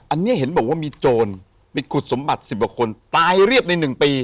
อันนี้เห็นบอกว่ามีโจรปิดขุดสมบัติ๑๐กว่าคนตายเรียบใน๑ปี